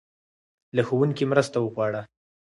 له ښوونکي مرسته وغواړه.